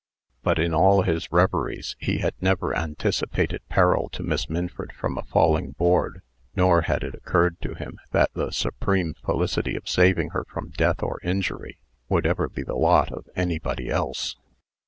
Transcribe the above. But, in all his reveries, he had never anticipated peril to Miss Minford from a falling board; nor had it occurred to him that the supreme felicity of saving her from death or injury would ever be the lot of anybody else.